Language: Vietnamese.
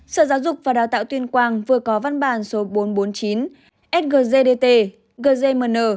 sở giáo dục và đào tạo tuyên quang vừa có văn bản số bốn trăm bốn mươi chín sgcdtt gzmn